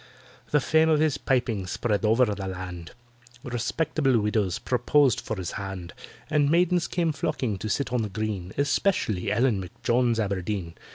The fame of his piping spread over the land: Respectable widows proposed for his hand, And maidens came flocking to sit on the green— Especially ELLEN M'JONES ABERDEEN.